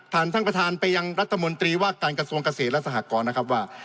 ท่านประธานไปยังรัฐมนตรีว่าการกระทรวงเกษตรและสหกรนะครับว่า